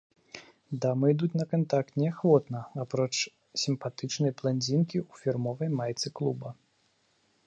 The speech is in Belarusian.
Дамы ідуць на кантакт неахвотна, апроч сімпатычнай бландзінкі ў фірмовай майцы клуба.